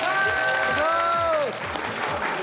お願いします。